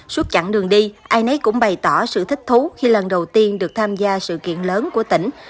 suốt chặng đường đi ai nấy cũng bày tỏ sự thích thú khi lần đầu tiên được tham gia sự kiện lớn của tỉnh